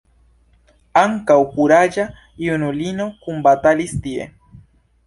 Ankaŭ kuraĝa junulino kunbatalis tie.